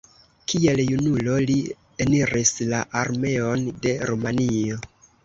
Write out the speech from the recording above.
Kiel junulo li eniris la armeon de Rumanio.